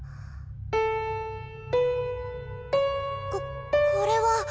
ここれは。